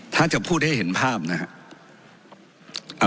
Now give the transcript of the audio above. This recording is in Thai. ถ้าจะพูดให้เห็นภาพนะครับ